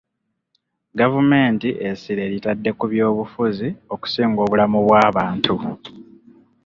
Gavumenti essira eritadde ku byobufuzi okusinga obulamu bw'abantu.